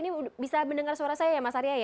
ini bisa mendengar suara saya ya mas arya ya